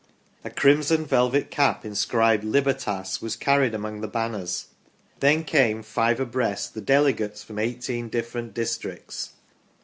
A crimson velvet cap inscribed " Libertas " was carried among the banners. Then came, five abreast, the delegates from eighteen different districts.